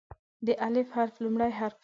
د "الف" حرف لومړی حرف دی.